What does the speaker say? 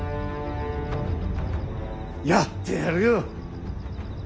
やってやるよ。